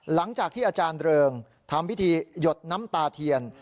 หลังจากที่อาจารย์เริงทำพิธีหยดน้ำตาเทียน